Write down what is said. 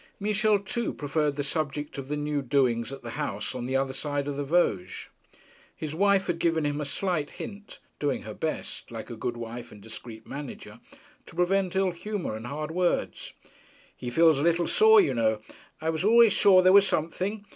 Michel too preferred the subject of the new doings at the house on the other side of the Vosges. His wife had given him a slight hint, doing her best, like a good wife and discreet manager, to prevent ill humour and hard words. 'He feels a little sore, you know. I was always sure there was something.